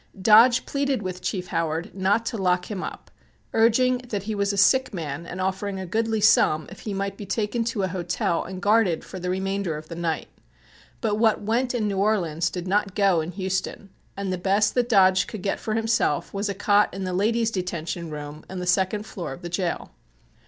Dodge pleaded with Chief Howard not to lock him up, urging that he was a sick man and offering a goodly sum if he might be taken to a hotel and guarded for the remainder of the night. But what "went" in New Orleans, did not "go" in Houston, and the best that Dodge could get for himself was a cot in the "Ladies Detention Room" on the second floor of the jail.